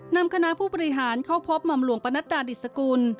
นำคณะผู้บริหารเข้าพบหม่อมหลวงปนัดดาดิสกุล